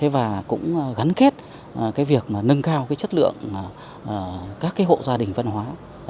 và cũng gắn kết việc nâng cao chất lượng các hộ gia đình văn hóa